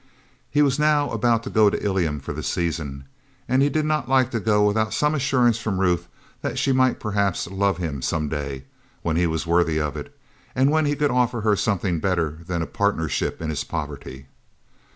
He was now about to go to Ilium for the season, and he did not like to go without some assurance from Ruth that she might perhaps love him some day; when he was worthy of it, and when he could offer her something better than a partnership in his poverty.